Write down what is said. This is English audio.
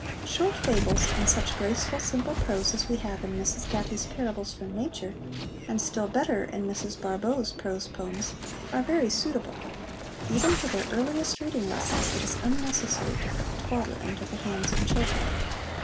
Short fables, and such graceful, simple prose as we have in Mrs Gatty's Parables from Nature, and, still better, in Mrs Bar bauld's prose poems, are very suitable. Even for their earliest reading lessons, it is unnecessary to put twaddle into the hands of children.